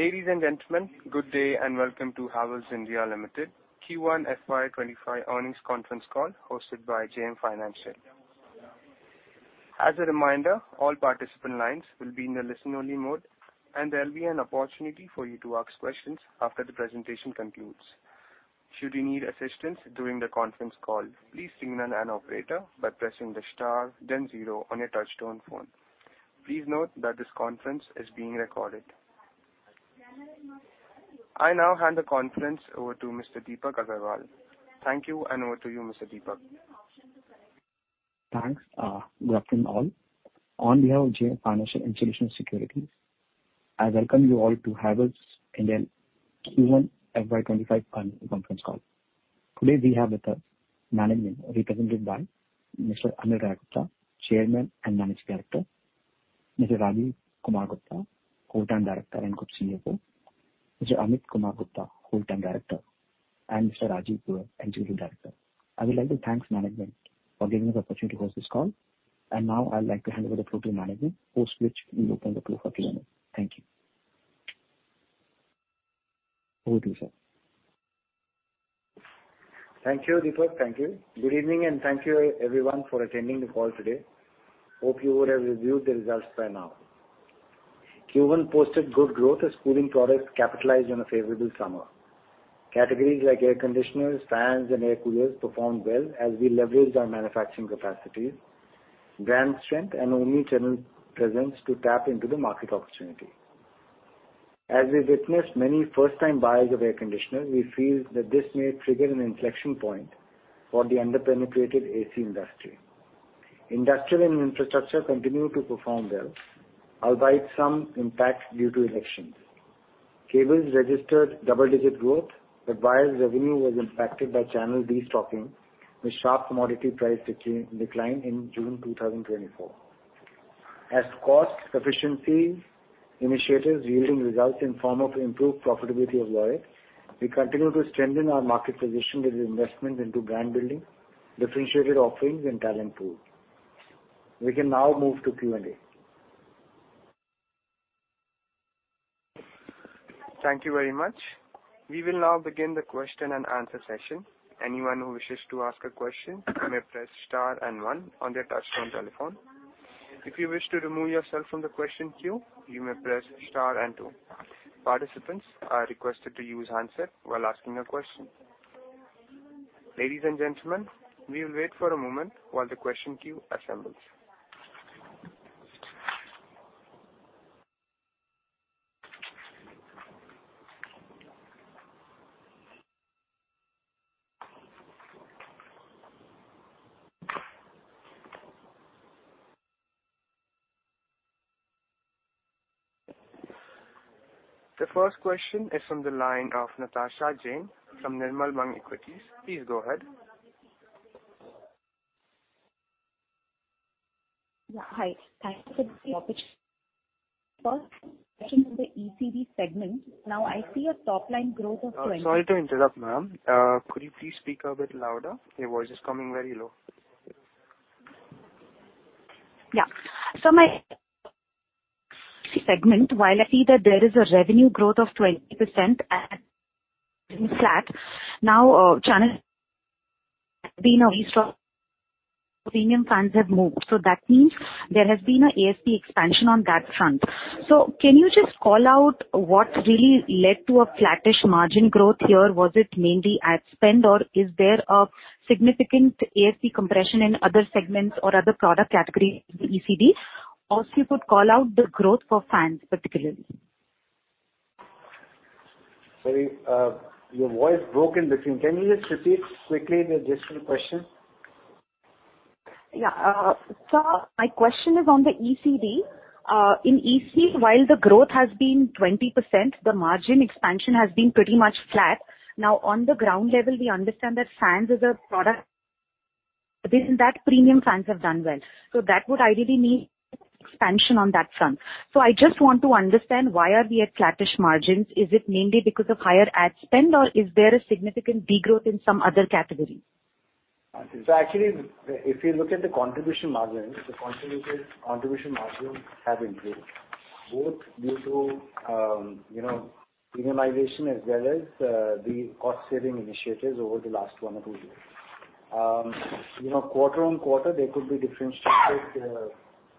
Ladies and gentlemen, good day and welcome to Havells India Limited, Q1 FY2025 earnings conference call, hosted by JM Financial. As a reminder, all participant lines will be in a listen-only mode, and there will be an opportunity for you to ask questions after the presentation concludes. Should you need assistance during the conference call, please signal an operator by pressing the star then zero on your touchtone phone. Please note that this conference is being recorded. I now hand the conference over to Mr. Deepak Agarwal. Thank you, and over to you, Mr. Deepak. Thanks, good afternoon, all. On behalf of JM Financial Institutional Securities, I welcome you all to Havells India Q1 FY2025 analyst conference call. Today, we have with us management represented by Mr. Anil Rai Gupta, Chairman and Managing Director, Mr. Rajesh Kumar Gupta, Whole-Time Director and Group CEO, Mr. Ameet Kumar Gupta, Whole-Time Director, and Mr. Rajiv Goel, Joint Director. I would like to thank management for giving us the opportunity to host this call, and now I'd like to hand over the floor to management, who will switch and open the floor for Q&A. Thank you. Over to you, sir. Thank you, Deepak. Thank you. Good evening, and thank you everyone for attending the call today. Hope you would have reviewed the results by now. Q1 posted good growth as cooling products capitalized on a favorable summer. Categories like air conditioners, fans, and air coolers performed well as we leveraged our manufacturing capacity, brand strength, and omnichannel presence to tap into the market opportunity. As we witnessed many first-time buyers of air conditioner, we feel that this may trigger an inflection point for the under-penetrated AC industry. Industrial and infrastructure continue to perform well, albeit some impact due to elections. Cables registered double-digit growth, but wires revenue was impacted by channel destocking, with sharp commodity price declined in June 2024. As cost efficiency initiatives yielding results in form of improved profitability of Lloyd's, we continue to strengthen our market position with investment into brand building, differentiated offerings, and talent pool. We can now move to Q&A. Thank you very much. We will now begin the question and answer session. Anyone who wishes to ask a question, you may press star and one on their touchtone telephone. If you wish to remove yourself from the question queue, you may press star and two. Participants are requested to use handset while asking a question. Ladies and gentlemen, we will wait for a moment while the question queue assembles. The first question is from the line of Natasha Jain, from Nirmal Bang Equities. Please go ahead. Yeah. Hi, thank you for the opportunity. First question is on the ECD segment. Now, I see a top line growth of. Sorry to interrupt, ma'am. Could you please speak a bit louder? Your voice is coming very low. Yeah. So my segment, while I see that there is a revenue growth of 20% and flat, now channel been a restock, premium fans have moved. So that means there has been an ASP expansion on that front. So can you just call out what really led to a flattish margin growth here? Was it mainly ad spend, or is there a significant ASP compression in other segments or other product categories in the ECD? Also, you could call out the growth for fans, particularly. Sorry, your voice broke in between. Can you just repeat quickly the gist of the question? Yeah, so my question is on the ECD. In ECD, while the growth has been 20%, the margin expansion has been pretty much flat. Now, on the ground level, we understand that fans is a product. Within that, premium fans have done well. So that would ideally mean expansion on that front. So I just want to understand, why are we at flattish margins? Is it mainly because of higher ad spend, or is there a significant degrowth in some other category? So actually, if you look at the contribution margin, the contribution margin have improved, both due to, you know, premiumization as well as, the cost-saving initiatives over the last one or two years. You know, quarter on quarter, there could be differentiated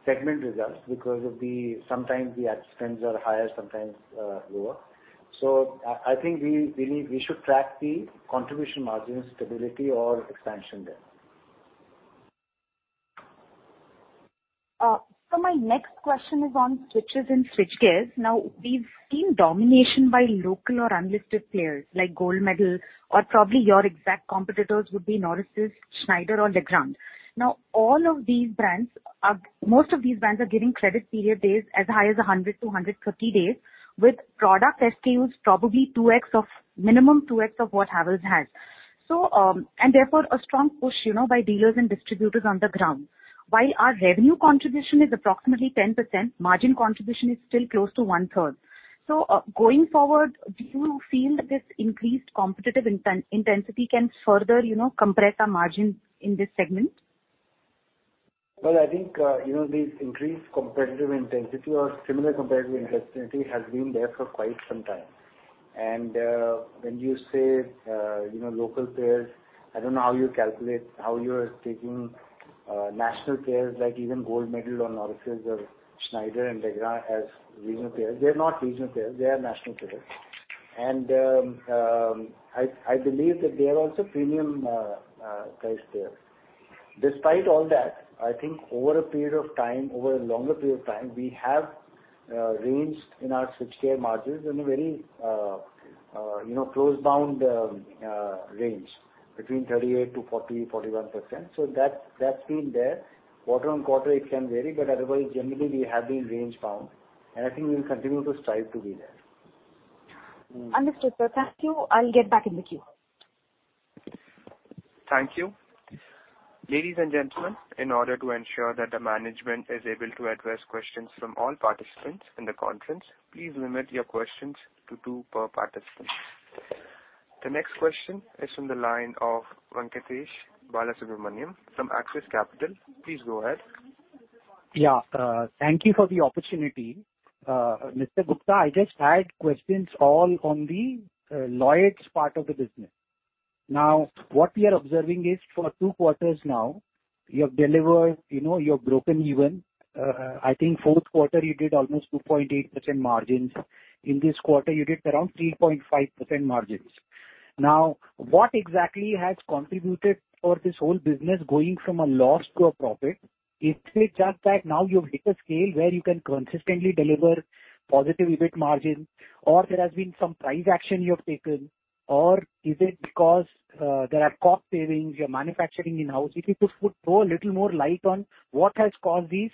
segment results because of the, sometimes the ad spends are higher, sometimes, lower. So I think we need, we should track the contribution margin stability or expansion there. So my next question is on switches and switchgear. Now, we've seen domination by local or unlisted players like Goldmedal, or probably your exact competitors would be Norisys, Schneider or Legrand. Now, all of these brands are. Most of these brands are giving credit period days as high as 100-150 days, with product SKUs, probably 2x of, minimum 2x of what Havells has. So, and therefore, a strong push, you know, by dealers and distributors on the ground. While our revenue contribution is approximately 10%, margin contribution is still close to one-third. So, going forward, do you feel that this increased competitive intensity can further, you know, compress our margins in this segment? Well, I think, you know, the increased competitive intensity or similar competitive intensity has been there for quite some time. And, when you say, you know, local players, I don't know how you calculate, how you are taking, national players, like even Goldmedal or Norisys or Schneider and Legrand as regional players. They're not regional players, they are national players. And, I believe that they are also premium, price players. Despite all that, I think over a period of time, over a longer period of time, we have, ranged in our switchgear margins in a very, you know, close-bound, range between 38%-41%. So that, that's been there. Quarter on quarter, it can vary, but otherwise, generally, we have been range-bound, and I think we'll continue to strive to be there. Understood, sir. Thank you. I'll get back in the queue. Thank you. Ladies and gentlemen, in order to ensure that the management is able to address questions from all participants in the conference, please limit your questions to two per participant. The next question is from the line of Venkatesh Balasubramanian from Axis Capital. Please go ahead. Yeah, thank you for the opportunity. Mr. Gupta, I just had questions all on the Lloyd's part of the business. Now, what we are observing is for two quarters now, you have delivered, you know, you have broken even. I think fourth quarter, you did almost 2.8% margins. In this quarter, you did around 3.5% margins. Now, what exactly has contributed for this whole business going from a loss to a profit? Is it just that now you've hit a scale where you can consistently deliver positive EBIT margin, or there has been some price action you have taken? Or is it because there are cost savings, you're manufacturing in-house? If you could throw a little more light on what has caused these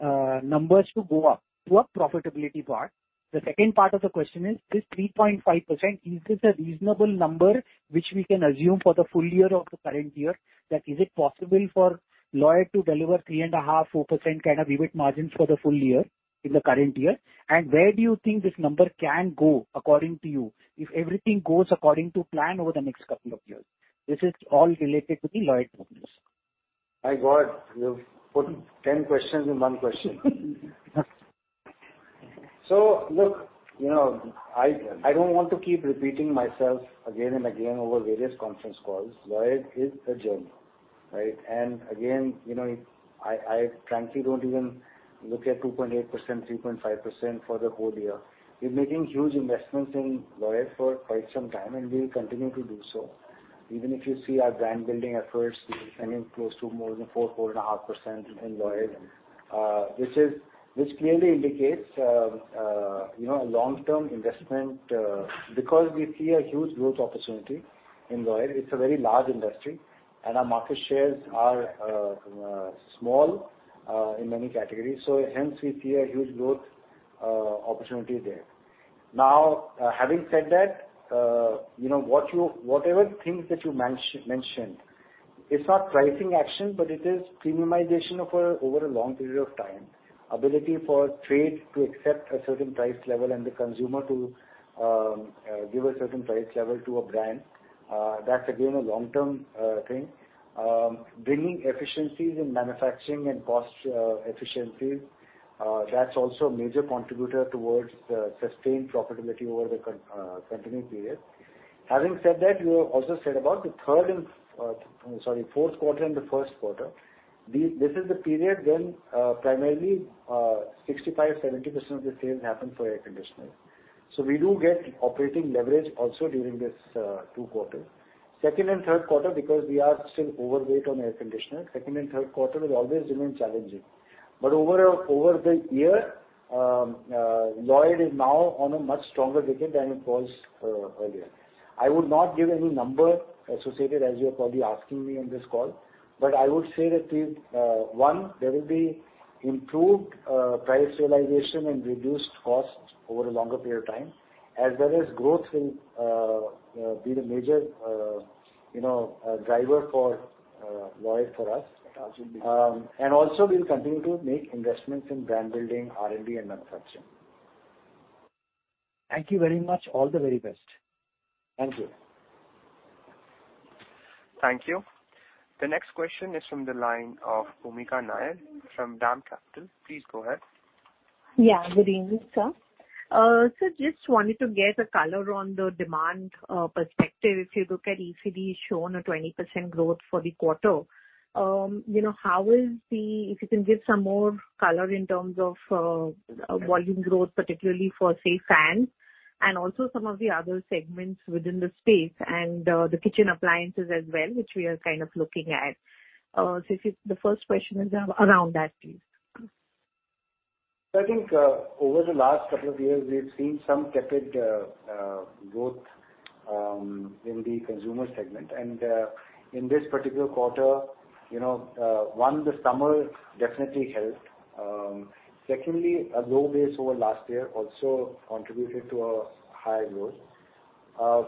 numbers to go up to a profitability part. The second part of the question is, this 3.5%, is this a reasonable number which we can assume for the full year of the current year? That is it possible for Lloyd to deliver 3.5%-4% kind of EBIT margins for the full year in the current year? And where do you think this number can go, according to you, if everything goes according to plan over the next couple of years? This is all related to the Lloyd business. My God! You've put 10 questions in one question. So look, you know, I don't want to keep repeating myself again and again over various conference calls. Lloyd is a gem, right? And again, you know, I frankly don't even look at 2.8%, 3.5% for the whole year. We're making huge investments in Lloyd for quite some time, and we will continue to do so. Even if you see our brand building efforts spending close to more than 4, 4.5% in Lloyd, this clearly indicates, you know, a long-term investment, because we see a huge growth opportunity in Lloyd. It's a very large industry, and our market shares are small in many categories, so hence we see a huge growth opportunity there. Now, having said that, you know, whatever things that you mentioned, it's not pricing action, but it is premiumization over a long period of time. Ability for trade to accept a certain price level and the consumer to give a certain price level to a brand, that's again, a long-term thing. Bringing efficiencies in manufacturing and cost efficiencies, that's also a major contributor towards sustained profitability over the continuing period. Having said that, you have also said about the third and sorry, fourth quarter and the first quarter. This is the period when, primarily, 65%-70% of the sales happen for air conditioners. So we do get operating leverage also during this two quarters. Second and third quarter, because we are still overweight on air conditioner, second and third quarter will always remain challenging. But over the year, Lloyd is now on a much stronger wicket than it was earlier. I would not give any number associated, as you are probably asking me on this call, but I would say that there will be improved price realization and reduced costs over a longer period of time, as well as growth will be the major you know driver for Lloyd for us. And also we'll continue to make investments in brand building, R&D, and manufacturing. Thank you very much. All the very best. Thank you. Thank you. The next question is from the line of Bhumika Nair from DAM Capital. Please go ahead. Yeah, good evening, sir. So just wanted to get a color on the demand perspective. If you look at ECD, shown a 20% growth for the quarter, you know, how is the if you can give some more color in terms of volume growth, particularly for, say, fans, and also some of the other segments within the space and the kitchen appliances as well, which we are kind of looking at. So if you the first question is around that, please. I think, over the last couple of years, we've seen some tepid growth in the consumer segment. And, in this particular quarter, you know, one, the summer definitely helped. Secondly, a low base over last year also contributed to a higher growth.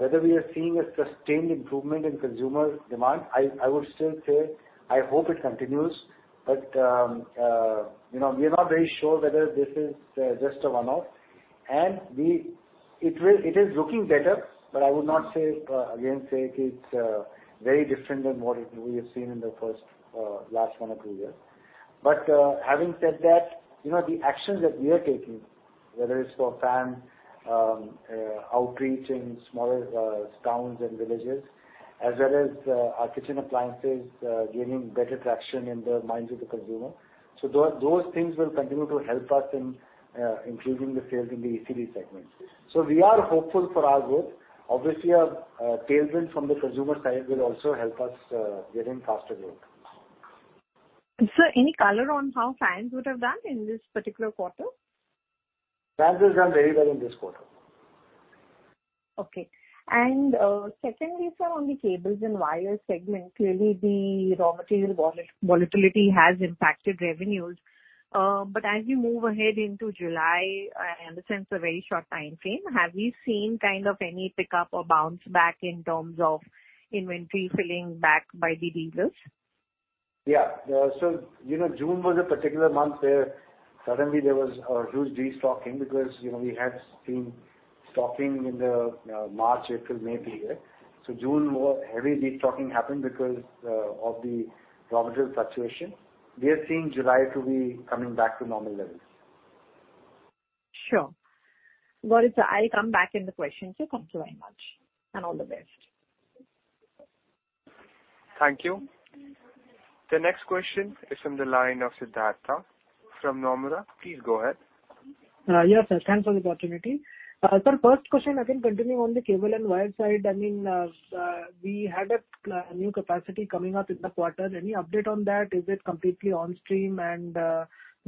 Whether we are seeing a sustained improvement in consumer demand, I would still say I hope it continues, but, you know, we are not very sure whether this is just a one-off, and it is looking better, but I would not say, again, say it is very different than what we have seen in the first, last one or two years. But, having said that, you know, the actions that we are taking, whether it's for fan outreach in smaller towns and villages, as well as our kitchen appliances gaining better traction in the minds of the consumer. So those things will continue to help us in increasing the sales in the ECD segment. So we are hopeful for our growth. Obviously, our tailwind from the consumer side will also help us get in faster growth. Sir, any color on how fans would have done in this particular quarter? Fans has done very well in this quarter. Okay. Secondly, sir, on the cables and wires segment, clearly, the raw material volatility has impacted revenues. But as we move ahead into July, I understand it's a very short time frame, have you seen kind of any pickup or bounce back in terms of inventory filling back by the dealers? Yeah. So, you know, June was a particular month where suddenly there was a huge destocking because, you know, we had seen stocking in the March, April, May period. So June, more heavy destocking happened because of the raw material fluctuation. We are seeing July to be coming back to normal levels. Sure. Well, sir, I'll come back in the questions. Thank you very much, and all the best. Thank you. The next question is from the line of Siddhartha from Nomura. Please go ahead. Yes, sir. Thanks for the opportunity. Sir, first question, again, continuing on the cable and wire side, I mean, we had a new capacity coming up in the quarter. Any update on that? Is it completely on stream? And,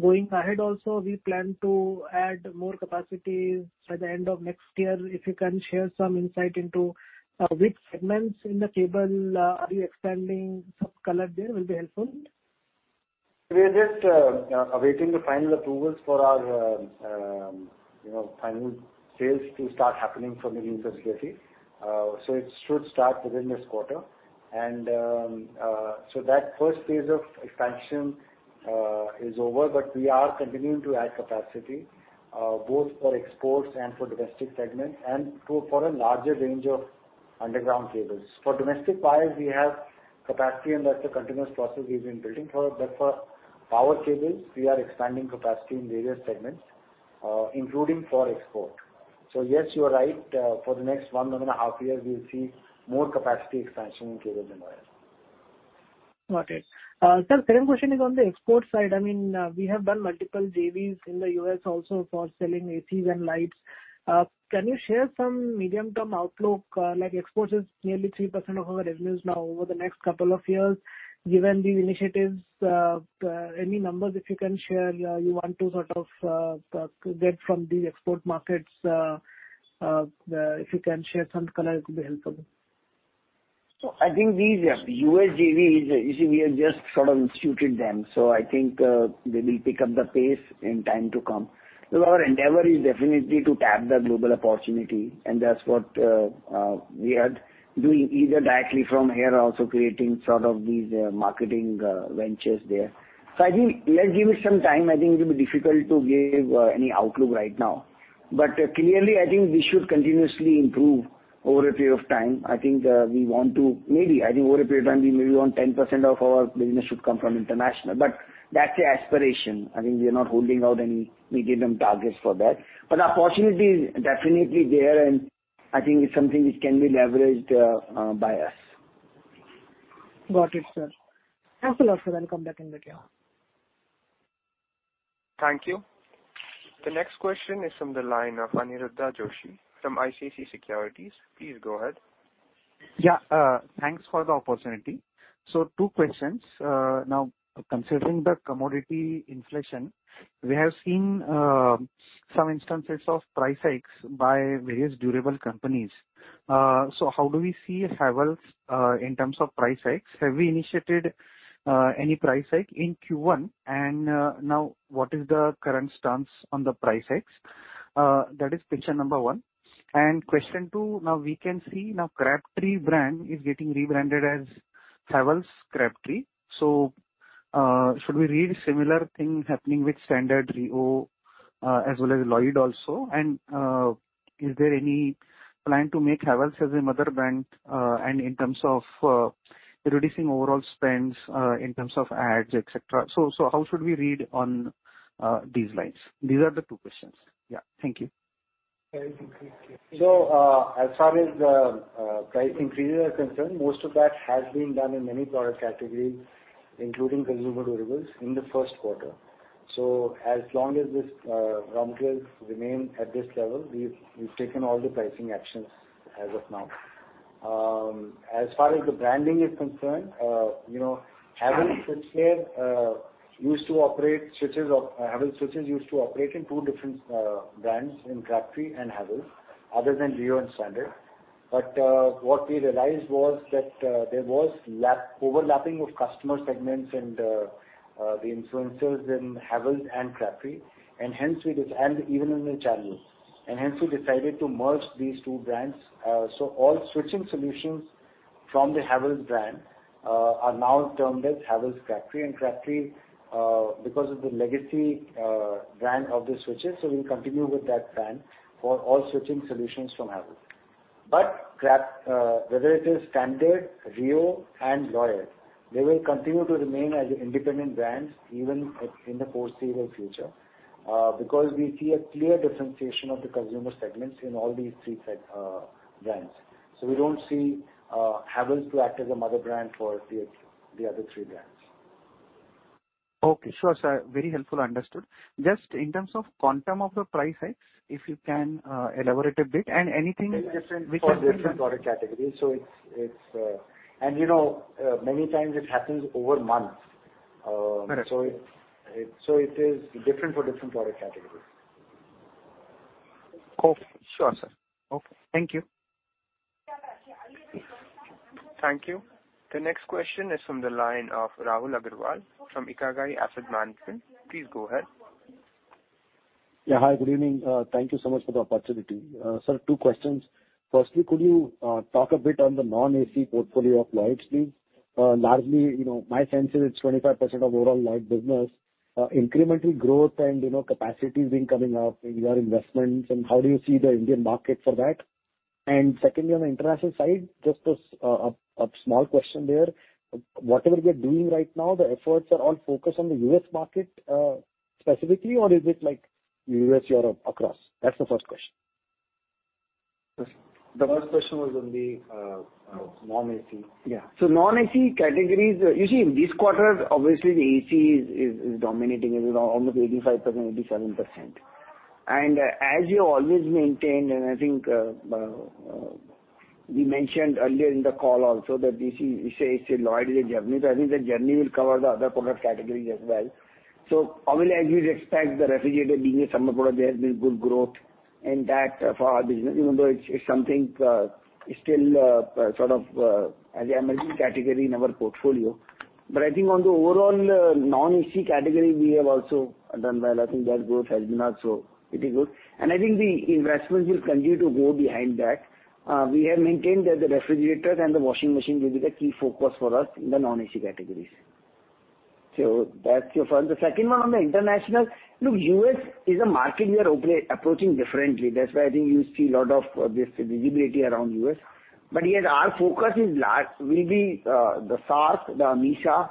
going ahead also, we plan to add more capacity by the end of next year. If you can share some insight into which segments in the cable are you expanding? Some color there will be helpful. We're just awaiting the final approvals for our, you know, final sales to start happening from the new capacity. So it should start within this quarter. So that first phase of expansion is over, but we are continuing to add capacity both for exports and for domestic segment, and for a larger range of underground cables. For domestic wires, we have capacity, and that's a continuous process we've been building for. But for power cables, we are expanding capacity in various segments, including for export. So yes, you are right. For the next 1.5 years, we'll see more capacity expansion in cable and wire. Got it. Sir, second question is on the export side. I mean, we have done multiple JVs in the U.S. also for selling ACs and lights. Can you share some medium-term outlook? Like, exports is nearly 3% of our revenues now over the next couple of years. Given these initiatives, any numbers that you can share, you want to sort of get from the export markets? If you can share some color, it will be helpful. So I think these, the U.S. JV is, you see, we have just sort of instituted them, so I think, they will pick up the pace in time to come. So our endeavor is definitely to tap the global opportunity, and that's what, we are doing, either directly from here, also creating sort of these, marketing, ventures there. So I think let's give it some time. I think it will be difficult to give, any outlook right now. But clearly, I think we should continuously improve over a period of time. I think, we want to maybe, I think over a period of time, we maybe want 10% of our business should come from international. But that's the aspiration. I think we are not holding out any medium targets for that. But the opportunity is definitely there, and I think it's something which can be leveraged by us. Got it, sir. Thanks a lot, sir, and come back in the queue. Thank you. The next question is from the line of Aniruddha Joshi from ICICI Securities. Please go ahead. Yeah, thanks for the opportunity. So two questions. Now, considering the commodity inflation we have seen, some instances of price hikes by various durable companies. So how do we see Havells in terms of price hikes? Have we initiated any price hike in Q1? And now, what is the current stance on the price hikes? That is question number one. And question two, now we can see Crabtree brand is getting rebranded as Havells Crabtree. So, should we read similar things happening with Standard, Reo, as well as Lloyd also? And, is there any plan to make Havells as a mother brand, and in terms of reducing overall spends in terms of ads, etc.? So how should we read on these lines? These are the two questions. Yeah. Thank you. So, as far as the price increases are concerned, most of that has been done in many product categories, including consumer durables, in the first quarter. So as long as this raw materials remain at this level, we've taken all the pricing actions as of now. As far as the branding is concerned, you know, Havells Switches used to operate in two different brands, in Crabtree and Havells, other than Reo and Standard. But what we realized was that there was overlapping of customer segments and the influencers in Havells and Crabtree, and even in the channels, and hence we decided to merge these two brands. So all switching solutions from the Havells brand, are now termed as Havells Crabtree, and Crabtree, because of the legacy, brand of the switches, so we'll continue with that brand for all switching solutions from Havells. But Crabtree, whether it is Standard, Reo and Lloyd, they will continue to remain as independent brands even in the foreseeable future, because we see a clear differentiation of the consumer segments in all these three brands. So we don't see, Havells to act as a mother brand for the, the other three brands. Okay, sure, sir. Very helpful. Understood. Just in terms of quantum of the price hike, if you can, elaborate a bit, and anything which is different. Very different for different product categories, so it's. You know, many times it happens over months. Correct. So it is different for different product categories. Cool. Sure, sir. Okay, thank you. Thank you. The next question is from the line of Rahul Agarwal from Ikigai Asset Management. Please go ahead. Yeah, hi, good evening. Thank you so much for the opportunity. Sir, two questions. Firstly, could you talk a bit on the non-AC portfolio of Lloyd's please? Largely, you know, my sense is it's 25% of overall Lloyd business. Incremental growth and, you know, capacity has been coming up in your investments, and how do you see the Indian market for that? And secondly, on the international side, just a small question there. Whatever we are doing right now, the efforts are all focused on the U.S. market specifically, or is it like U.S., Europe, across? That's the first question. The first question was on the non-AC. Yeah. So non-AC categories, you see, in this quarter, obviously, the AC is dominating. It is almost 85%, 87%. And, as you always maintained, and I think, we mentioned earlier in the call also that this is, say, Lloyd is a journey. So I think the journey will cover the other product categories as well. So obviously, as you'd expect, the refrigerator being a summer product, there has been good growth in that for our business, even though it's something, still, sort of, as an emerging category in our portfolio. But I think on the overall, non-AC category, we have also done well. I think that growth has been also pretty good. And I think the investment will continue to grow behind that. We have maintained that the refrigerators and the washing machine will be the key focus for us in the non-AC categories. So that's your first. The second one on the international, look, U.S. is a market we are approaching differently. That's why I think you see a lot of this visibility around U.S. But, yes, our focus is large, will be the SAARC, the MESA,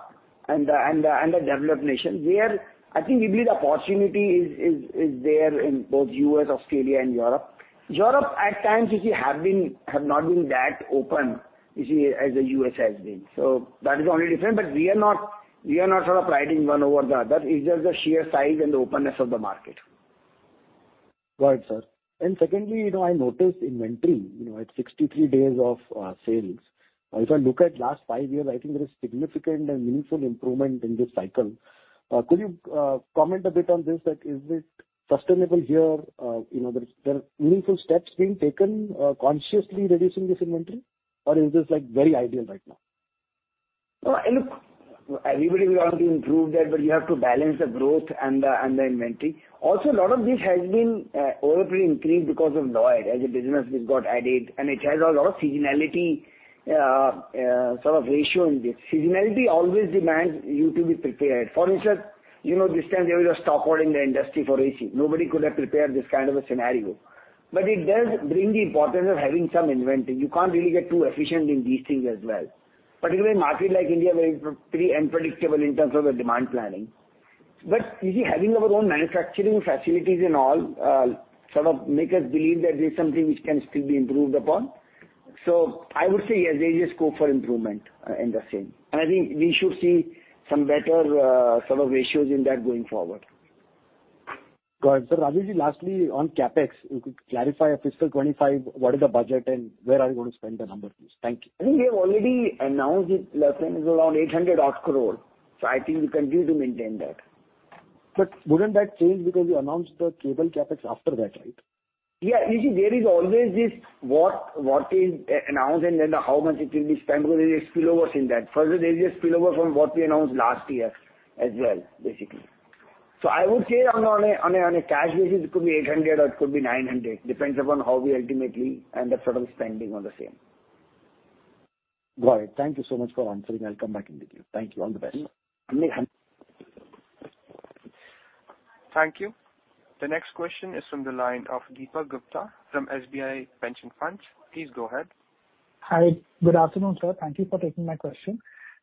and the developed nations. Where I think we believe the opportunity is, is there in both U.S., Australia and Europe. Europe, at times, you see, have been, have not been that open, you see, as the U.S. has been. So that is the only difference. But we are not, we are not sort of riding one over the other. It's just the sheer size and the openness of the market. Got it, sir. And secondly, you know, I noticed inventory, you know, at 63 days of sales. If I look at last five years, I think there is significant and meaningful improvement in this cycle. Could you comment a bit on this? Like, is it sustainable here? You know, there are meaningful steps being taken, consciously reducing this inventory, or is this, like, very ideal right now? Look, everybody, we want to improve that, but you have to balance the growth and the inventory. Also, a lot of this has been overly increased because of Lloyd. As a business, this got added, and it has a lot of seasonality, sort of, ratio in this. Seasonality always demands you to be prepared. For instance, you know, this time there was a stockpile in the industry for AC. Nobody could have prepared this kind of a scenario. But it does bring the importance of having some inventory. You can't really get too efficient in these things as well. Particularly market like India, very pretty unpredictable in terms of the demand planning. But you see, having our own manufacturing facilities and all, sort of, make us believe that there's something which can still be improved upon. I would say, yes, there is a scope for improvement in the same. I think we should see some better sort of ratios in that going forward. Got it. So Rajiv, lastly, on CapEx, you could clarify fiscal 2025, what is the budget and where are you going to spend the numbers, please? Thank you. I think we have already announced it, last time it was around 800 crore, so I think we continue to maintain that. But wouldn't that change because you announced the cable CapEx after that, right? Yeah. You see, there is always this, what is announced and then how much it will be spent, because there is spillovers in that. Further, there is a spillover from what we announced last year as well, basically. So I would say on a cash basis, it could be 800 or it could be 900. Depends upon how we ultimately end up sort of spending on the same. Got it. Thank you so much for answering. I'll come back in with you. Thank you. All the best. Mm-hmm. Thank you. The next question is from the line of Deepak Gupta from SBI Pension Funds. Please go ahead. Hi, good afternoon, sir. Thank you for taking my question.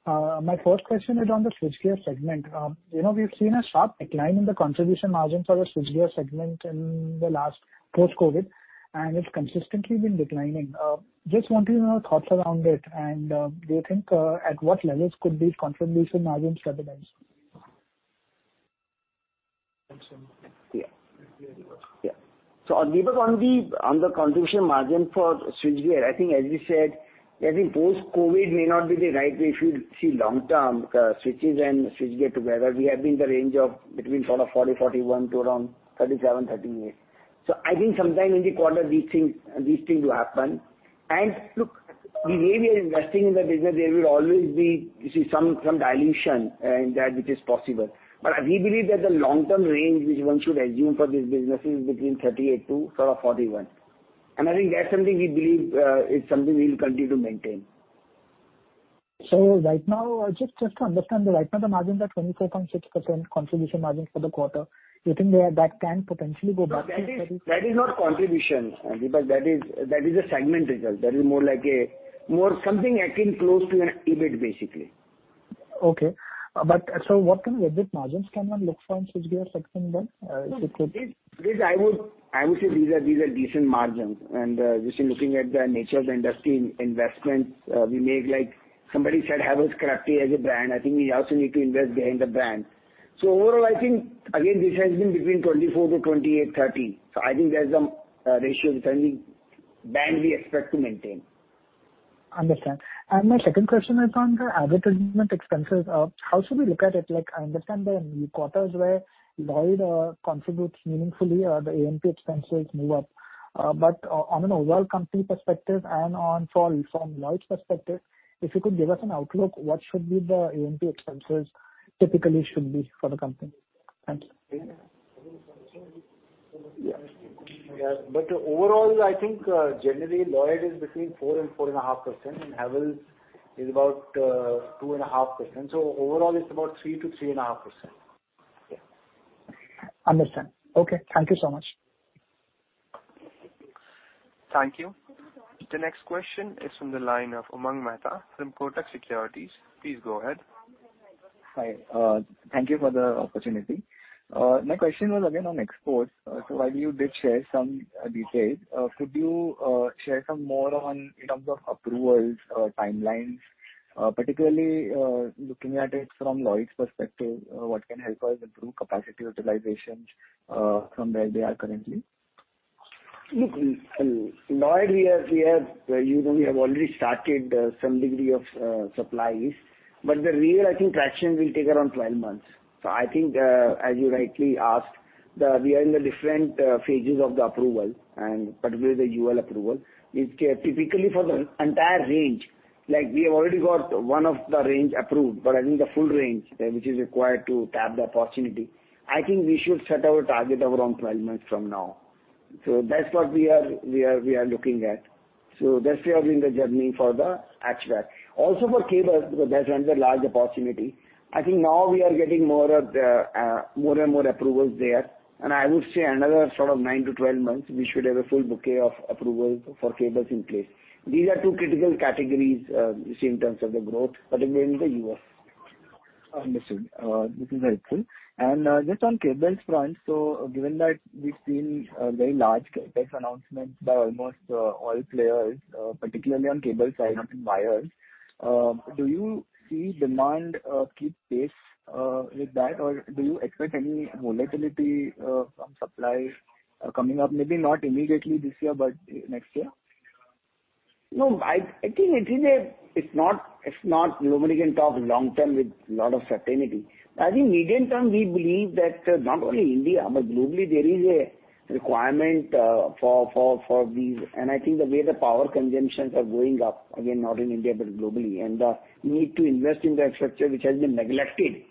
My first question is on the switchgear segment. You know, we've seen a sharp decline in the contribution margins for the switchgear segment in the last, post-COVID, and it's consistently been declining. Just want to know your thoughts around it, and, do you think, at what levels could these contribution margins stabilize? Yeah. Yeah. So Deepak, on the, on the contribution margin for switchgear, I think, as we said, I think post-COVID may not be the right way if you see long term, switches and switchgear together, we have been in the range of between sort of 40-41 to around 37-38. So I think sometime in the quarter, these things, these things will happen. And look, the way we are investing in the business, there will always be, you see, some, some dilution in that, which is possible. But we believe that the long-term range which one should assume for this business is between 38 to sort of 41. And I think that's something we believe is something we'll continue to maintain. So right now, just to understand, right now the margins are 24.6% contribution margins for the quarter. You think that can potentially go back to 30%? That is not contribution, because that is a segment result. That is more like a, more something I think close to an EBIT basically. Okay. But so what kind of EBIT margins can one look from segment one, if it could? I would say these are decent margins, and just looking at the nature of the industry investments we made, like somebody said, Havells Crabtree as a brand. I think we also need to invest behind the brand. So overall, I think again, this has been between 24-28, 30. So I think there's some ratio returning band we expect to maintain. Understand. And my second question is on the advertisement expenses. How should we look at it? Like, I understand the quarters where Lloyd contributes meaningfully or the A&P expenses move up. But on an overall company perspective and from Lloyd's perspective, if you could give us an outlook, what should be the A&P expenses typically should be for the company? Thanks. Yeah. But overall, I think, generally, Lloyd is between 4% and 4.5%, and Havells is about 2.5%. So overall it's about 3%-3.5%. Yeah. Understand. Okay, thank you so much. Thank you. The next question is from the line of Umang Mehta from Kotak Securities. Please go ahead. Hi, thank you for the opportunity. My question was again on exports. So while you did share some details, could you share some more on in terms of approvals, timelines, particularly looking at it from Lloyd's perspective, what can help us improve capacity utilization from where they are currently? Look, Lloyd, we are, we are, you know, we have already started some degree of supplies, but the real, I think traction will take around 12 months. So I think, as you rightly asked, we are in the different phases of the approval and particularly the UL approval is typically for the entire range, like, we have already got one of the range approved, but I think the full range which is required to tap the opportunity, I think we should set our target around 12 months from now. So that's what we are, we are, we are looking at. So that's where we're in the journey for the HVAC. Also for cables, because that's another large opportunity. I think now we are getting more of the, more and more approvals there, and I would say another sort of 9-12 months, we should have a full bouquet of approvals for cables in place. These are two critical categories, you see, in terms of the growth, particularly in the U.S. Understood. This is helpful. And, just on cables front, so given that we've seen very large CapEx announcements by almost all players, particularly on cable side, not in wires, do you see demand keep pace with that? Or do you expect any volatility from supply coming up? Maybe not immediately this year, but next year. No, I think it's not. One can talk long term with a lot of certainty. I think medium term, we believe that not only India, but globally there is a requirement for these. And I think the way the power consumptions are going up, again, not in India, but globally, and the need to invest in the infrastructure, which has been neglected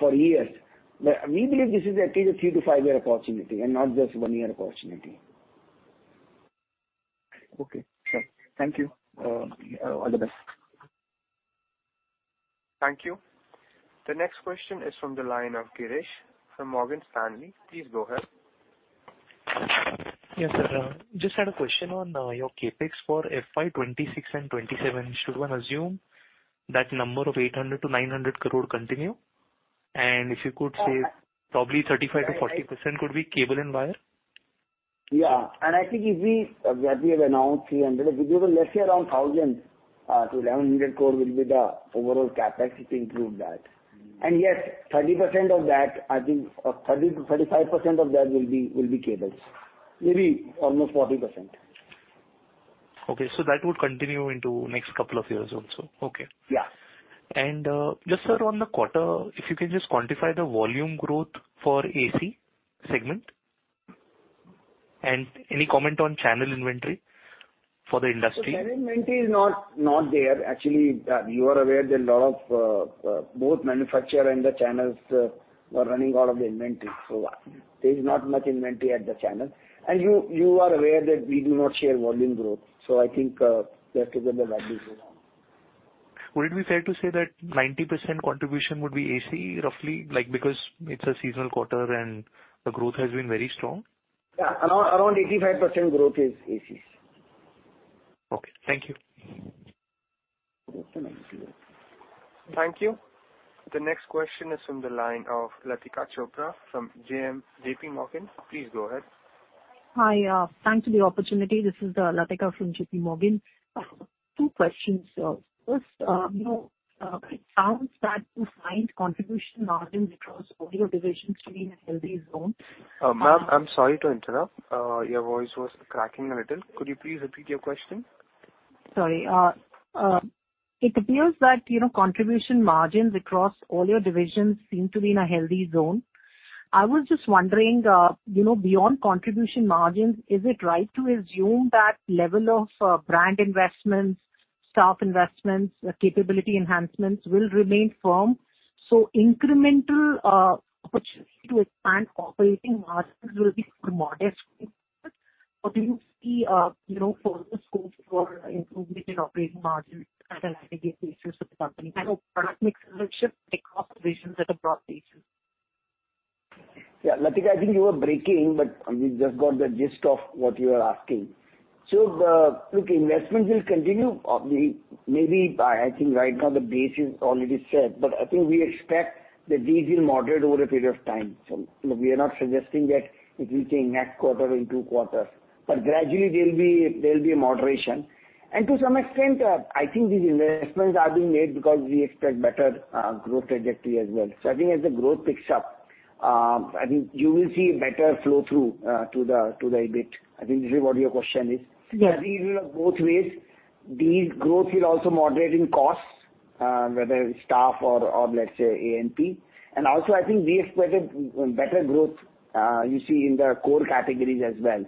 for years. But we believe this is at least a three to five year opportunity and not just one year opportunity. Okay, sure. Thank you. All the best. Thank you. The next question is from the line of Girish Achhipalia from Morgan Stanley. Please go ahead. Yes, sir. Just had a question on your CapEx for FY2026 and 2027. Should one assume that number of 800 crore-900 crore continue? And if you could say, probably 35%-40% could be cable and wire. Yeah. And I think if we, we have announced 300 crore, we did last year around 1,000 crore to 1,100 crore will be the overall CapEx if we include that. And yes, 30% of that, I think, 30%-35% of that will be, will be cables. Maybe almost 40%. Okay, so that would continue into next couple of years also. Okay. Yeah. Just sir, on the quarter, if you can just quantify the volume growth for AC segment, and any comment on channel inventory for the industry? So channel inventory is not there. Actually, you are aware that a lot of both manufacturer and the channels are running out of the inventory. So there is not much inventory at the channel. And you are aware that we do not share volume growth, so I think you have to get the value for now. Would it be fair to say that 90% contribution would be AC, roughly? Like, because it's a seasonal quarter and the growth has been very strong. Yeah, around 85% growth is ACs. Okay, thank you. Thank you. Thank you. The next question is from the line of Latika Chopra from JPMorgan. Please go ahead. Hi, thanks for the opportunity. This is Latika from JPMorgan. Two questions. First, you know, it sounds that you find contribution margin across all your divisions to be in a healthy zone. Ma'am, I'm sorry to interrupt. Your voice was cracking a little. Could you please repeat your question? Sorry. It appears that, you know, contribution margins across all your divisions seem to be in a healthy zone. I was just wondering, you know, beyond contribution margins, is it right to assume that level of, brand investments, staff investments, capability enhancements will remain firm, so incremental, opportunity to expand operating margins will be more modest going forward? Or do you see, you know, further scope for improvement in operating margins and identifying issues with the company? I know product mix should take operations at a broad basis. Yeah, Latika, I think you were breaking, but we just got the gist of what you are asking. So, look, investment will continue. I think right now the base is already set, but I think we expect that these will moderate over a period of time. So, look, we are not suggesting that it will change next quarter or in two quarters, but gradually there'll be a moderation. And to some extent, I think these investments are being made because we expect better growth trajectory as well. So I think as the growth picks up, I think you will see a better flow-through to the EBIT. I think this is what your question is. Yes. I think it will go both ways. These growth will also moderate in costs, whether it's staff or, or let's say, ANP. And also, I think we expected better growth, you see in the core categories as well.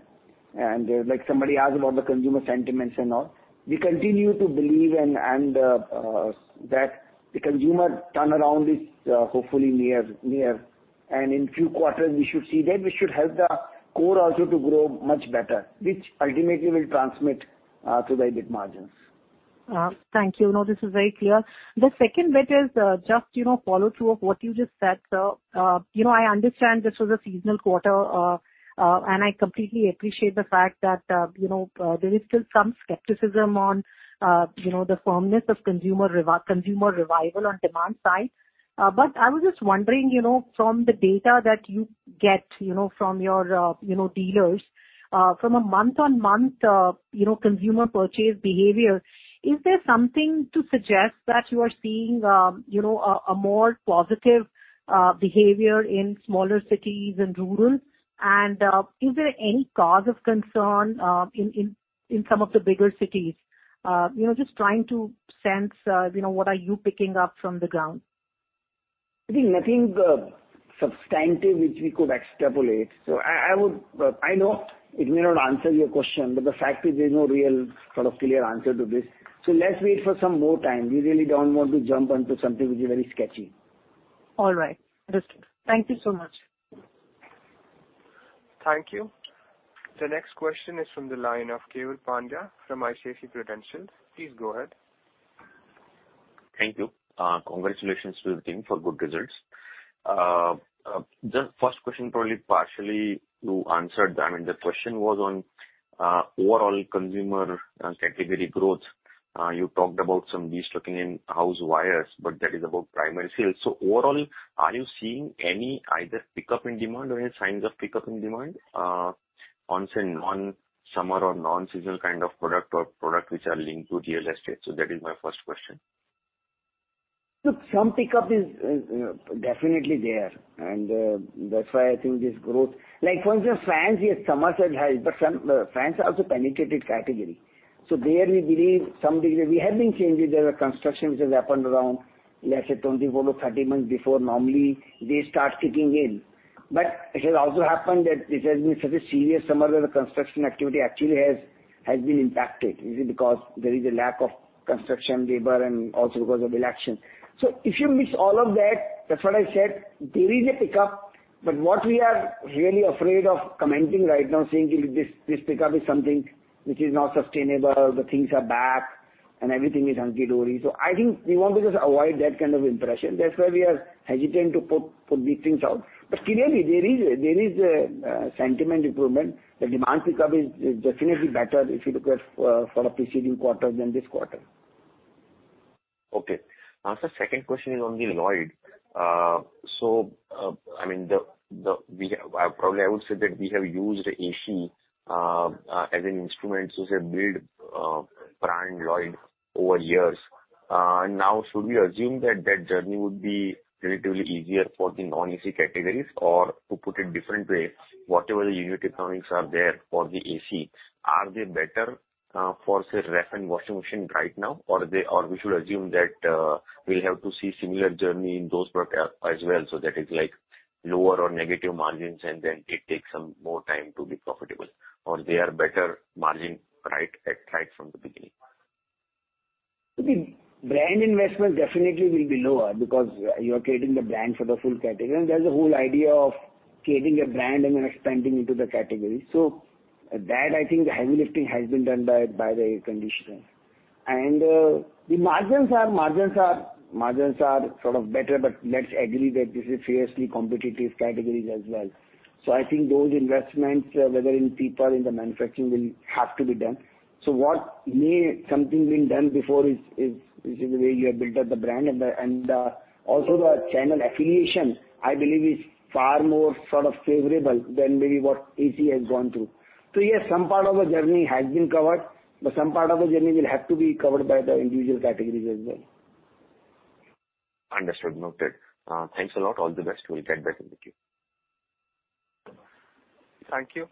And, like somebody asked about the consumer sentiments and all. We continue to believe and, and, that the consumer turnaround is, hopefully near, near. And in few quarters, we should see that, which should help the core also to grow much better, which ultimately will transmit to the EBIT margins. Thank you. No, this is very clear. The second bit is, just, you know, follow-through of what you just said, sir. You know, I understand this was a seasonal quarter, and I completely appreciate the fact that, you know, there is still some skepticism on, you know, the firmness of consumer revival on demand side. But I was just wondering, you know, from the data that you get, you know, from your, you know, dealers, from a month-on-month, you know, consumer purchase behavior, is there something to suggest that you are seeing, you know, a more positive, behavior in smaller cities and rural? And, is there any cause of concern, in some of the bigger cities? You know, just trying to sense, you know, what are you picking up from the ground? I think nothing substantive, which we could extrapolate. So, I know it may not answer your question, but the fact is there's no real sort of clear answer to this. So let's wait for some more time. We really don't want to jump onto something which is very sketchy. All right. Understood. Thank you so much. Thank you. The next question is from the line of Keval Parikh from ICICI Prudential. Please go ahead. Thank you. Congratulations to the team for good results. Just first question, probably partially you answered. I mean, the question was on overall consumer category growth. You talked about some destocking in house wires, but that is about primary sales. So overall, are you seeing any either pickup in demand or any signs of pickup in demand on, say, non-summer or non-seasonal kind of product or product which are linked to real estate? So that is my first question. Look, some pickup is definitely there, and that's why I think this growth—like, for instance, fans, yes, summer season has, but some fans are also penetrated category. So there we believe some degree. We have been changes. There are constructions which has happened around, let's say, 24-30 months before. Normally, they start kicking in. But it has also happened that it has been such a serious summer, where the construction activity actually has been impacted, is it because there is a lack of construction labor and also because of election. So if you mix all of that, that's what I said, there is a pickup, but what we are really afraid of commenting right now, saying this, this pickup is something which is not sustainable, the things are back, and everything is hunky-dory. I think we want to just avoid that kind of impression. That's why we are hesitant to put these things out. But clearly, there is a sentiment improvement. The demand pickup is definitely better if you look at for a preceding quarter than this quarter. Okay. Sir, second question is on the Lloyd. So, I mean, probably I would say that we have used AC as an instrument to build brand Lloyd over years. And now, should we assume that that journey would be relatively easier for the non-AC categories? Or to put it different way, whatever the unit economics are there for the AC, are they better for say ref and washing machine right now? Or we should assume that we'll have to see similar journey in those product as well, so that is like lower or negative margins, and then it takes some more time to be profitable, or they are better margin right from the beginning? I think brand investment definitely will be lower because you are creating the brand for the full category. And there's a whole idea of creating a brand and then expanding into the category. So that, I think, the heavy lifting has been done by the air conditioner. And the margins are sort of better, but let's agree that this is fiercely competitive categories as well. So I think those investments, whether in people, in the manufacturing will have to be done. So what may have been done before is the way you have built up the brand. And also the channel affiliation, I believe, is far more sort of favorable than maybe what AC has gone through. So yes, some part of the journey has been covered, but some part of the journey will have to be covered by the individual categories as well. Understood. Noted. Thanks a lot. All the best. We'll get back in the queue. Thank you.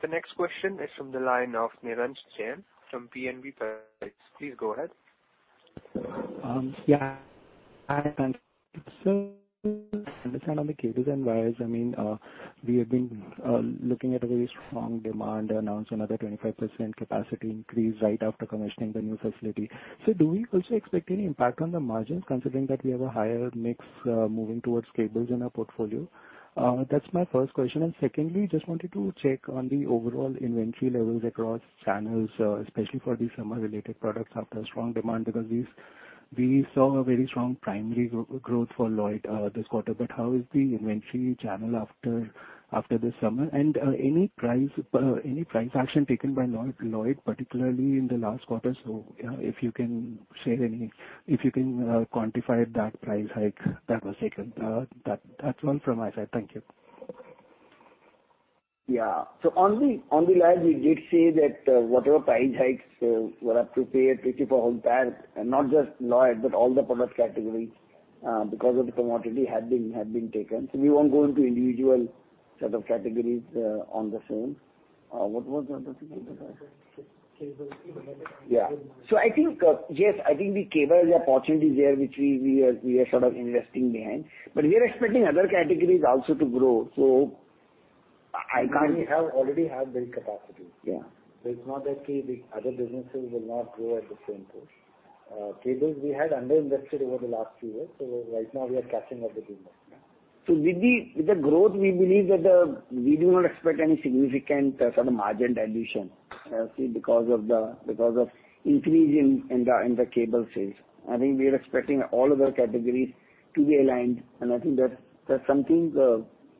The next question is from the line of Niransh from BNP Paribas. Please go ahead. Um, yeah. And so understand on the cables and wires, I mean, we have been looking at a very strong demand, announced another 25% capacity increase right after commissioning the new facility. So do we also expect any impact on the margins, considering that we have a higher mix moving towards cables in our portfolio? That's my first question. And secondly, just wanted to check on the overall inventory levels across channels, especially for the summer-related products after a strong demand. Because we saw a very strong primary growth for Lloyd this quarter, but how is the inventory channel after the summer? And any price action taken by Lloyd, particularly in the last quarter? So, yeah, if you can share any, if you can quantify that price hike that was taken, that, that's all from my side. Thank you. Yeah. So on the, on the live, we did say that, whatever price hikes were appropriate to keep a whole pack, and not just Lloyd, but all the product categories, because of the commodity had been, had been taken. So we won't go into individual set of categories, on the same. What was the other thing you said? Yeah. So I think, yes, I think the cables are opportunities there, which we are sort of investing behind. But we are expecting other categories also to grow, so I can't. We have already built capacity. Yeah. It's not that the other businesses will not grow at the same pace. Cables, we had underinvested over the last few years, so right now we are catching up with investment. With the growth, we believe that the... We do not expect any significant sort of margin dilution, see, because of the increase in the cable sales. I think we are expecting all other categories to be aligned, and I think that there are some things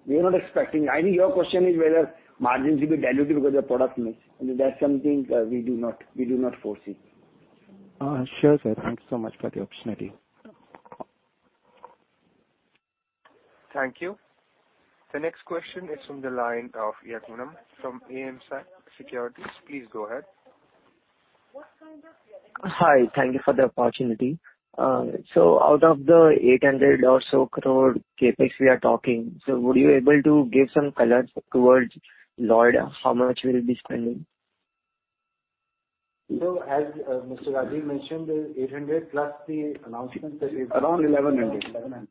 we are not expecting. I think your question is whether margins will be dilutive because of product mix, and that's something we do not foresee. Sure, sir. Thank you so much for the opportunity. Thank you. The next question is from the line of Yakunum from AMSEC Securities. Please go ahead. Hi, thank you for the opportunity. So out of the 800 crore or so CapEx we are talking, so were you able to give some colors towards Lloyd, how much we will be spending? So as, Mr. Rajiv mentioned, the 800+ the announcement that we. Around 1,100. 1,100.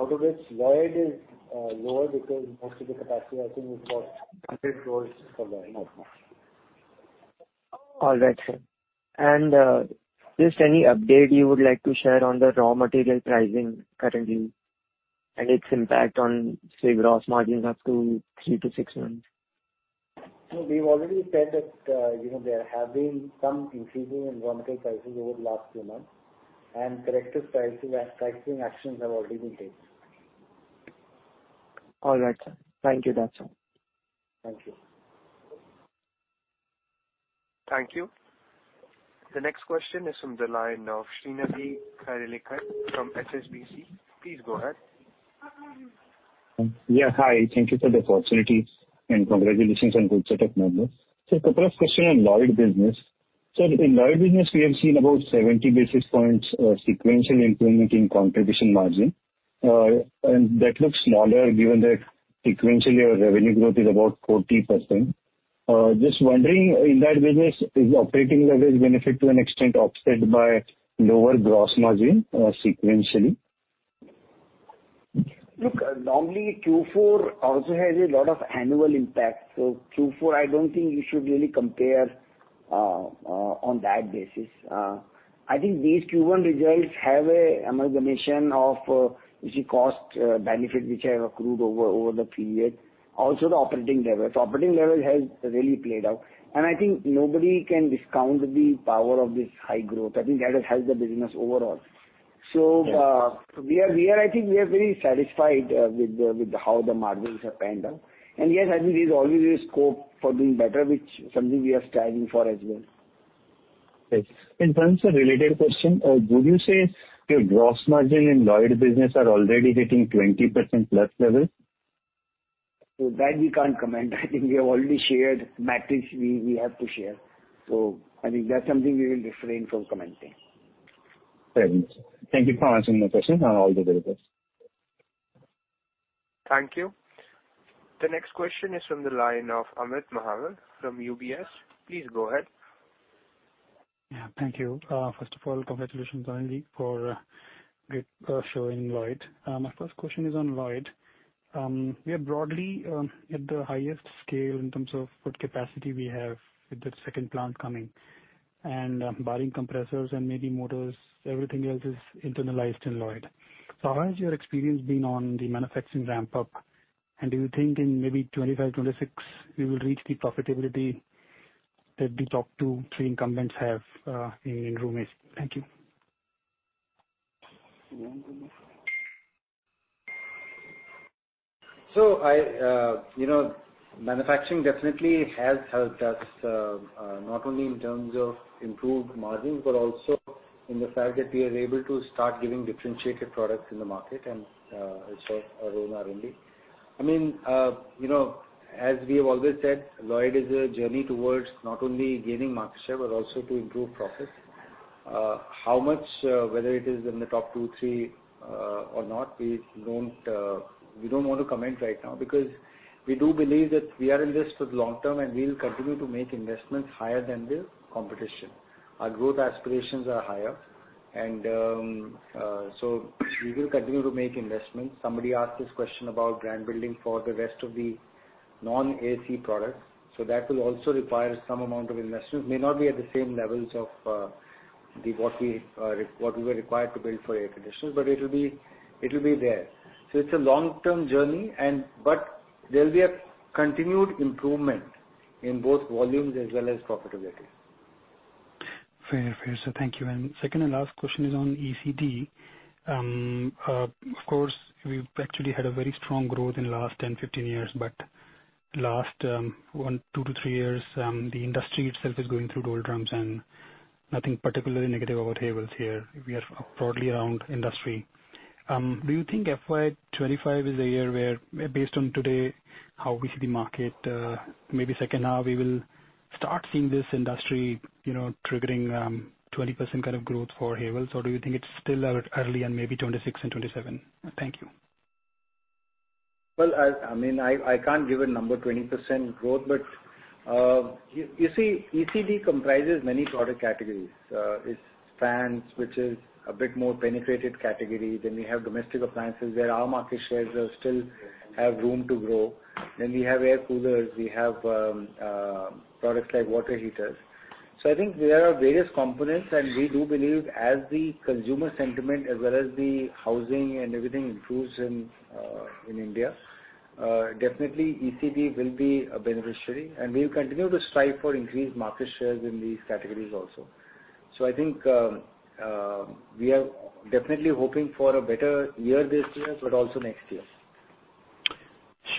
Out of which, Lloyd is lower because most of the capacity, I think, is about INR 100 crores for Lloyd. All right, sir. And, just any update you would like to share on the raw material pricing currently, and its impact on, say, gross margins up to 3-6 months? No, we've already said that, you know, there have been some increasing in raw material prices over the last few months, and corrective pricing, pricing actions have already been taken. All right, sir. Thank you. That's all. Thank you. Thank you. The next question is from the line of Shrinidhi Karlekar from HSBC. Please go ahead. Yeah, hi. Thank you for the opportunity and congratulations on good set of numbers. So a couple of questions on Lloyd business. So in Lloyd business, we have seen about 70 basis points sequential improvement in contribution margin, and that looks smaller, given that sequentially, our revenue growth is about 40%. Just wondering, in that business, is the operating leverage benefit to an extent offset by lower gross margin, sequentially? Look, normally, Q4 also has a lot of annual impact. So Q4, I don't think you should really compare on that basis. I think these Q1 results have an amalgamation of, you see, cost benefits which have accrued over the period, also the operating leverage. Operating leverage has really played out, and I think nobody can discount the power of this high growth. I think that has helped the business overall. Yeah. So, we are very satisfied with how the margins have panned out. And yes, I think there's always a scope for doing better, which something we are striving for as well. Yes. And one related question, would you say your gross margin in Lloyd business are already hitting 20%+ levels? So that we can't comment. I think we have already shared matters we have to share. So I think that's something we will refrain from commenting. Thank you. Thank you for answering my question and all the very best. Thank you. The next question is from the line of Amit Mahawar from UBS. Please go ahead. Yeah, thank you. First of all, congratulations, Anilji, for great showing Lloyd. My first question is on Lloyd. We are broadly at the highest scale in terms of what capacity we have with the second plant coming. And, barring compressors and maybe motors, everything else is internalized in Lloyd. So how has your experience been on the manufacturing ramp-up? And do you think in maybe 2025, 2026, we will reach the profitability that the top two, three incumbents have in room ACs? Thank you. So I, you know, manufacturing definitely has helped us, not only in terms of improved margins, but also in the fact that we are able to start giving differentiated products in the market and, also our own R&D. I mean, you know, as we have always said, Lloyd is a journey towards not only gaining market share, but also to improve profits. How much, whether it is in the top two, three? Or not, we don't, we don't want to comment right now because we do believe that we are in this for the long term, and we will continue to make investments higher than the competition. Our growth aspirations are higher, and, so we will continue to make investments. Somebody asked this question about brand building for the rest of the non-AC products, so that will also require some amount of investment. May not be at the same levels of, the, what we, what we were required to build for air conditioners, but it will be, it will be there. So it's a long-term journey and, but there will be a continued improvement in both volumes as well as profitability. Fair, fair. Sir, thank you. And second and last question is on ECD. Of course, we've actually had a very strong growth in last 10, 15 years, but last 1-3 years, the industry itself is going through slowdown and nothing particularly negative about Havells here. We are broadly around industry. Do you think FY2025 is a year where, based on today how we see the market, maybe second half, we will start seeing this industry, you know, triggering 20% kind of growth for Havells? Or do you think it's still a little early and maybe 2026 and 2027? Thank you. Well, I mean, I can't give a number, 20% growth, but you see, ECD comprises many product categories. It's fans, which is a bit more penetrated category, then we have domestic appliances, where our market shares are still have room to grow. Then we have air coolers, we have products like water heaters. So I think there are various components, and we do believe as the consumer sentiment, as well as the housing and everything improves in India, definitely ECD will be a beneficiary, and we will continue to strive for increased market shares in these categories also. So I think we are definitely hoping for a better year this year, but also next year.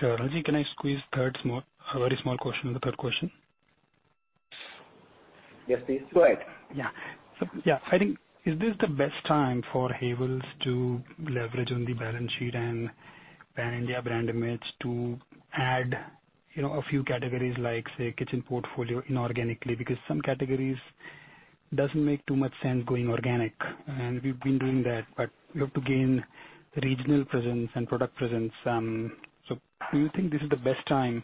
Sure. Rajiv, can I squeeze third small, a very small question on the third question? Yes, please. Go ahead. Yeah. So, yeah, I think, is this the best time for Havells to leverage on the balance sheet and Pan India brand image to add, you know, a few categories like, say, kitchen portfolio inorganically? Because some categories doesn't make too much sense going organic, and we've been doing that, but we have to gain regional presence and product presence. So do you think this is the best time,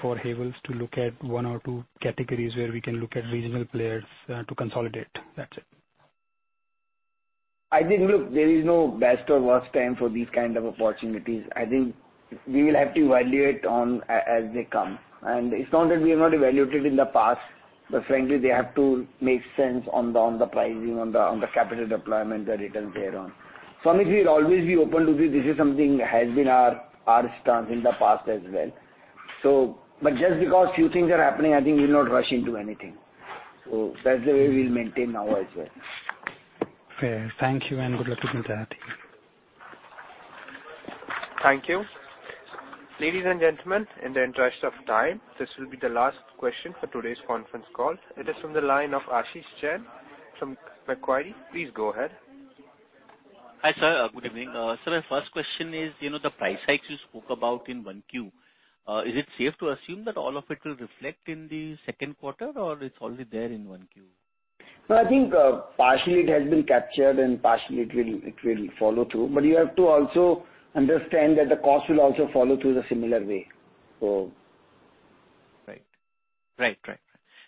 for Havells to look at one or two categories where we can look at regional players, to consolidate? That's it. I think, look, there is no best or worst time for these kind of opportunities. I think we will have to evaluate on as, as they come. And it's not that we have not evaluated in the past, but frankly, they have to make sense on the, on the pricing, on the, on the capital deployment, the returns thereon. So I think we'll always be open to this. This is something has been our, our stance in the past as well. So but just because few things are happening, I think we'll not rush into anything. So that's the way we'll maintain now as well. Fair. Thank you, and good luck with the journey. Thank you. Ladies and gentlemen, in the interest of time, this will be the last question for today's conference call. It is from the line of Ashish Jain from Macquarie. Please go ahead. Hi, sir. Good evening. Sir, my first question is, you know, the price hikes you spoke about in Q1, is it safe to assume that all of it will reflect in the second quarter, or it's already there in Q1? No, I think, partially it has been captured and partially it will, it will follow through. But you have to also understand that the cost will also follow through the similar way, so... Right. Right, right.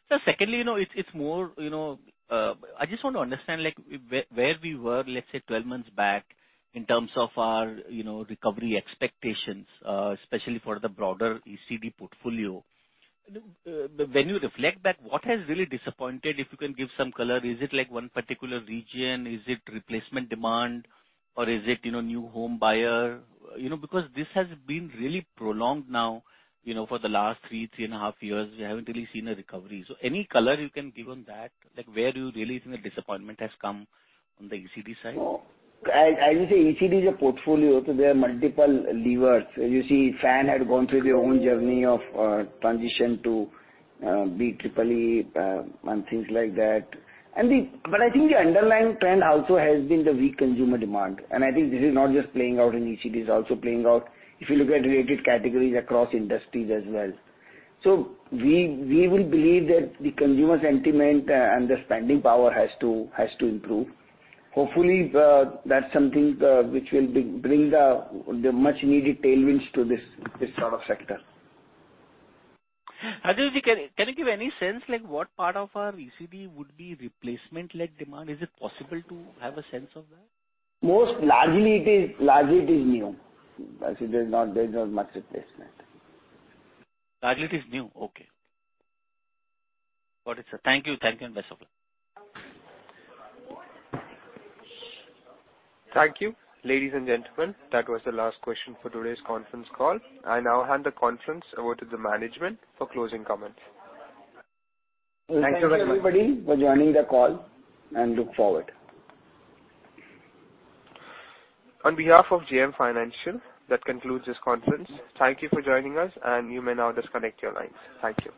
Sir, secondly, you know, it's, it's more, you know, I just want to understand, like, where, where we were, let's say, 12 months back in terms of our, you know, recovery expectations, especially for the broader ECD portfolio. When you reflect back, what has really disappointed, if you can give some color, is it like one particular region? Is it replacement demand, or is it, you know, new home buyer? You know, because this has been really prolonged now, you know, for the last 3, 3.5 years, we haven't really seen a recovery. So any color you can give on that, like, where do you really think the disappointment has come on the ECD side? So, as you say, ECD is a portfolio, so there are multiple levers. As you see, fans had gone through their own journey of transition to BEE and things like that. But I think the underlying trend also has been the weak consumer demand, and I think this is not just playing out in ECD, it's also playing out if you look at related categories across industries as well. So we will believe that the consumer sentiment and the spending power has to improve. Hopefully, that's something which will bring the much needed tailwinds to this sort of sector. Rajiv, can you give any sense like what part of our ECD would be replacement-led demand? Is it possible to have a sense of that? Largely it is new. Actually, there's not much replacement. Largely it is new. Okay. Got it, sir. Thank you. Thank you, and best of luck. Thank you. Ladies and gentlemen, that was the last question for today's conference call. I now hand the conference over to the management for closing comments. Thank you very much. Thank you, everybody, for joining the call, and look forward. On behalf of JM Financial, that concludes this conference. Thank you for joining us, and you may now disconnect your lines. Thank you.